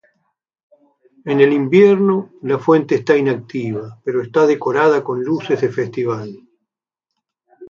En el invierno, la fuente está inactiva, pero está decorada con luces de festival.